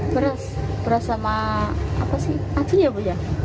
beras beras sama apa sih anjing ya bu ya